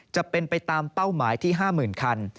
จะเป็นไปตามเป้าหมายที่ห้าหมื่นคัน